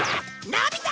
のび太！